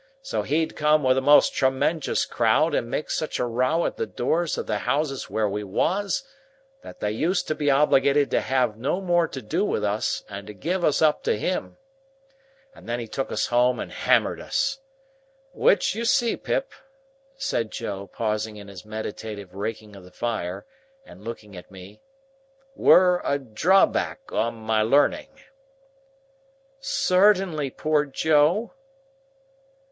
So, he'd come with a most tremenjous crowd and make such a row at the doors of the houses where we was, that they used to be obligated to have no more to do with us and to give us up to him. And then he took us home and hammered us. Which, you see, Pip," said Joe, pausing in his meditative raking of the fire, and looking at me, "were a drawback on my learning." "Certainly, poor Joe!"